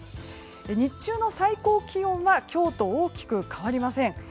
日中の最高気温は今日と大きく変わりません。